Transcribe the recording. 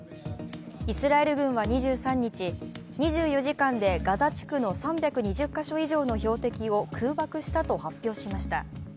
イスラエル軍は２３日、２４時間でガザ地区の３２０か所以上の標的を空爆したと発表しました。